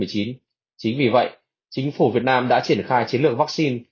chính vì vậy chính phủ việt nam đã triển khai chiến lược vaccine